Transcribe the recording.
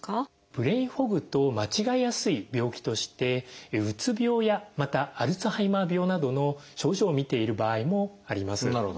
ブレインフォグと間違えやすい病気としてうつ病やまたアルツハイマー病などの症状をみている場合もあります。